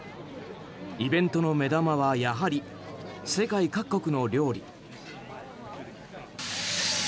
イベントの目玉はやはり世界各国の料理。